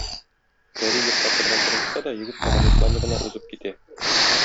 Пәри йоклатырга тырышса да, егет тагын йокламый гына узып китә.